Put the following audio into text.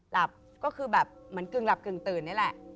หลับก็คือแบบเหมือนกึ่งหลับกึ่งตื่นนี่แหละ